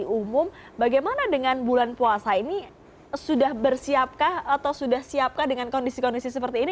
di umum bagaimana dengan bulan puasa ini sudah bersiapkah atau sudah siapkah dengan kondisi kondisi seperti ini